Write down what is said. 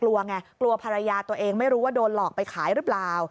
กลัวไงกลัวภรรยาตัวเองไม่รู้ว่าโดนหลอกไปขายหรือเปล่า